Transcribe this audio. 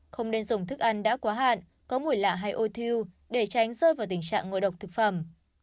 không nên dùng thức ăn đã quá hạn có mùi lạ hay ôi thiêu để tránh rơi vào tình trạng ngộ độc thực phẩm